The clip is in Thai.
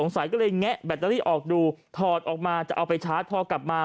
ใสก็เลยแงะแบตเตอรี่ออกดูถอดออกมาจะเอาไปชาร์จพอกลับมา